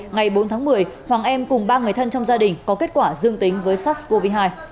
ngày bốn tháng một mươi hoàng em cùng ba người thân trong gia đình có kết quả dương tính với sars cov hai